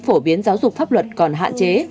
phổ biến giáo dục pháp luật còn hạn chế